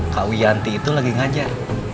kak wiyanti itu lagi ngajar